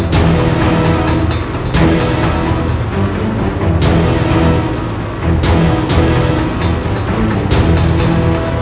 tolonglah aku dewata yang agung murka